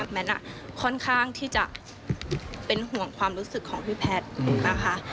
แมทค่อนข้างที่จะเป็นห่วงความรู้สึกของพี่แพทย์นะคะ